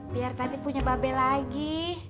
biar nanti punya babel lagi